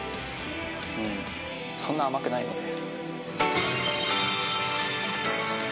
そんなに甘くないので。